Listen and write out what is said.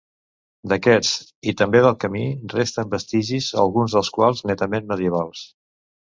D'aquests, i també del camí, resten vestigis, alguns dels quals netament medievals.